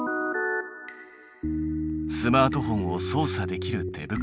スマートフォンを操作できる手袋。